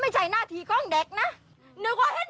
เมื่อกี้มันร้องพักเดียวเลย